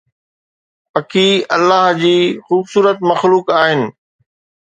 پکي الله جي خوبصورت مخلوق آهن